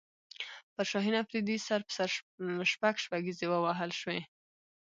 پر شاهین افریدي سر په سر شپږ شپږیزې ووهل شوې